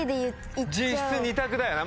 実質２択だよな。